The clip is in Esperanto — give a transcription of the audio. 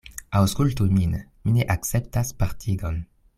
Aŭskultu min; mi ne akceptas partigon.